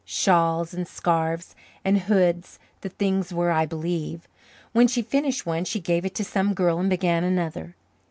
Shawls and scarfs and hoods the things were, I believe. When she finished one she gave it to some girl and began another.